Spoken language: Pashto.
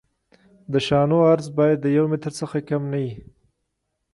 د شانو عرض باید د یو متر څخه کم نه وي